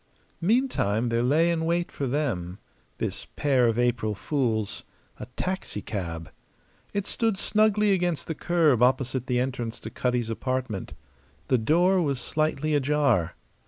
Meantime, there lay in wait for them this pair of April fools a taxicab. It stood snugly against the curb opposite the entrance to Cutty's apartment. The door was slightly ajar.